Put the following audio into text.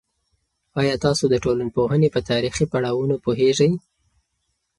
ایا تاسو د ټولنپوهنې په تاریخي پړاوونو پوهیږئ؟